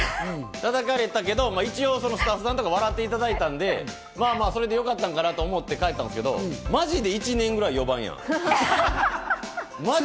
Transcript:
たたかれたけど、一応スタッフさんとか笑っていただいたんで、まぁそれでよかったかなと思って帰ったんすけど、マジで１年ぐらい呼ばんやん。